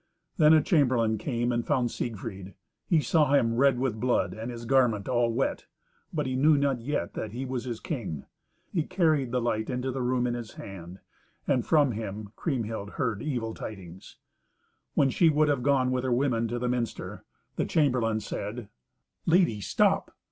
Then a chamberlain came and found Siegfried. He saw him red with blood, and his garment all wet, but he knew not yet that he was his king. He carried the light into the room in his hand, and from him Kriemhild heard evil tidings. When she would have gone with her women to the minster, the chamberlain said, "Lady, stop!